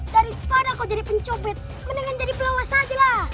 daripada kau jadi pencopet mendingan jadi pelawas sajalah